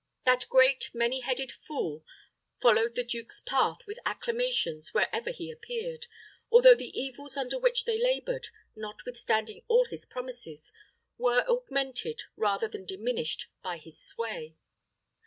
That great, many headed fool followed the duke's path with acclamations wherever he appeared, although the evils under which they labored, notwithstanding all his promises, were augmented rather than diminished by his sway.